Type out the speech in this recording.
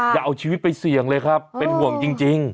อย่าเอาชีวิตไปเสี่ยงเลยครับเป็นห่วงจริง